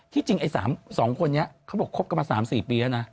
ที่จริงไอ้สองคนนี้เขาบอกคบกันมาสามสี่ปีแล้วนะ